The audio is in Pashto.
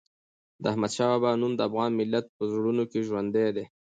د احمدشاه بابا نوم د افغان ملت په زړونو کې ژوندي دی.